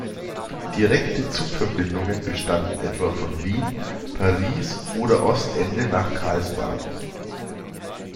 Direkte Zugverbindungen bestanden etwa von Wien, Paris oder Ostende nach Karlsbad.